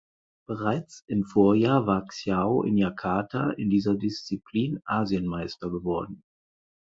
Bereits im Vorjahr war Xiao in Jakarta in dieser Disziplin Asienmeister geworden.